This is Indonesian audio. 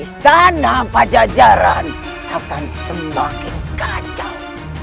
istana pak jajaran akan semakin kacau